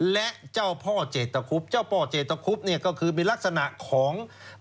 และเจ้าพ่อเจตคุบเจ้าพ่อเจตคุบเนี่ยก็คือมีลักษณะของ